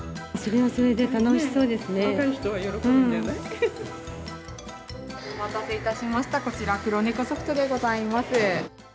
お待たせしました、こちら黒猫ソフトでございます。